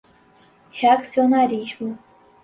reaccionarismo